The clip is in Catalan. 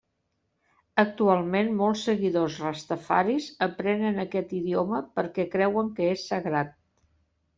Actualment molts seguidors rastafaris aprenen aquest idioma perquè creuen que és sagrat.